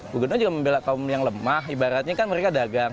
gubernur juga membela kaum yang lemah ibaratnya kan mereka dagang